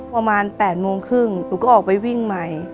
ประมาณ๘โมงครึ่งหนูก็ออกไปวิ่งใหม่